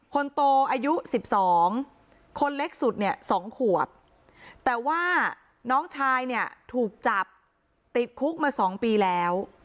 คนโตอายุ๑๒คนเล็กสุดเนี่ย๒ขวบแต่ว่าน้องชายเนี่ยถูกจับติดคุกมา๒ปีแล้ว